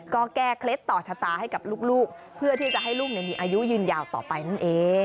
ก็แก้เคล็ดต่อชะตาให้กับลูกเพื่อที่จะให้ลูกมีอายุยืนยาวต่อไปนั่นเอง